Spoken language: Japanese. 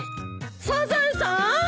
・サザエさーん！